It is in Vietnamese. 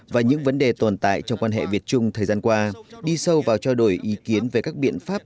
và những vấn đề tồn tại trong quan hệ việt trung thời gian qua đi sâu vào trao đổi ý kiến về các biện pháp